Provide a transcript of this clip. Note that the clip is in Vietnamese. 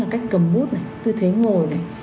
cách cầm bút tư thế ngồi